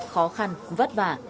khó khăn vất vả